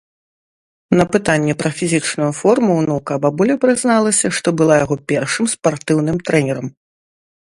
На пытанне пра фізічную форму ўнука бабуля прызналася, што была яго першым спартыўным трэнерам.